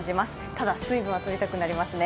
ただ水分はとりたくなりますね。